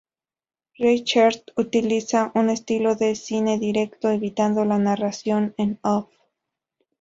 Reichert Utiliza un estilo de cine directo, evitando la narración en off.